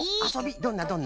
どんなどんな？